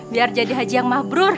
biar jadi haji yang mabrur